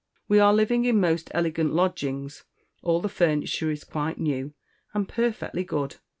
We are living in Most elegant Lodgings all the Furniture is quite New, and perfectly Good.